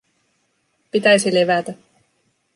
Pitäisi levätä.